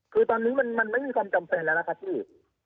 คือตอนนี้มันไม่มีความจำเป็นแล้วล่ะครับพี่